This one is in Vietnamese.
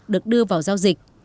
được đưa vào giao dịch